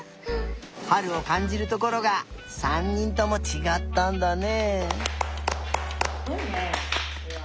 はるをかんじるところが３にんともちがったんだね。